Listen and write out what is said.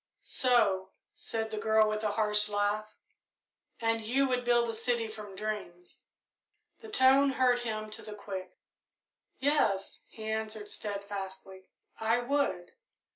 "So," said the girl, with a harsh laugh, "and you would build a city from dreams?" The tone hurt him to the quick. "Yes," he answered steadfastly, "I would.